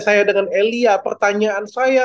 saya dengan elia pertanyaan saya